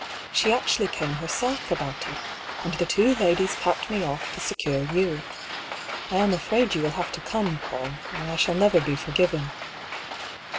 She actually came herself about it, and the two ladies packed me off to secure you. I am afraid you will have to come, PauU, or I shall never be forgiven."